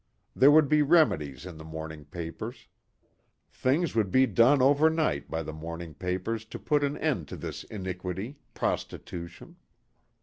There would be remedies in the morning papers. Things would be done overnight by the morning papers to put an end to this iniquity prostitution!!!!